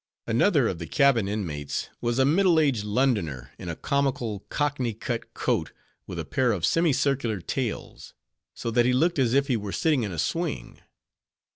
Another of the cabin inmates, was a middle aged Londoner, in a comical Cockney cut coat, with a pair of semicircular tails: so that he looked as if he were sitting in a swing.